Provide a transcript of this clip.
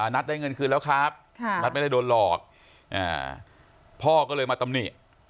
นัทได้เงินคืนแล้วครับนัทไม่ได้โดนหลอกพ่อก็เลยมาตำหนิ